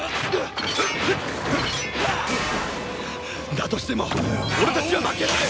だとしても俺たちは負けない！